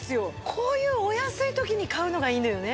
こういうお安い時に買うのがいいのよね。